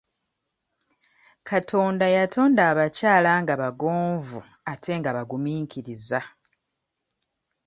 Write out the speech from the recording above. Katonda yatonda abakyala nga bagonvu ate nga bagumiikiriza.